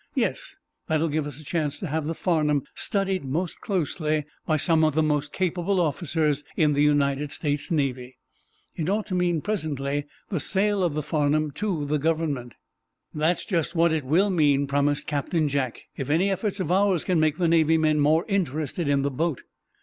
"Yes; that will give us a chance to have the 'Farnum' studied most closely by some of the most capable officers in the United States Navy. It ought to mean, presently, the sale of the 'Farnum' to the Government." "That's just what it will mean," promised Captain Jack, "if any efforts of ours can make the Navy men more interested in the boat."